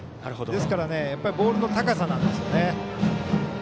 ですからボールの高さなんですよね。